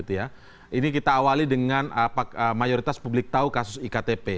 ini kita awali dengan mayoritas publik tahu kasus iktp